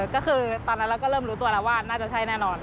ก็คือตอนนั้นเราก็เริ่มรู้ตัวแล้วว่าน่าจะใช่แน่นอน